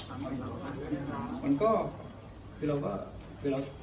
แต่พอมันเจอแบบนี้มันก็เหมือนเราใส่หลังครับ